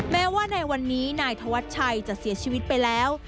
แม้ว่าในวันนี้นายธวัชชัยจะเสียชีวิตไปแล้ว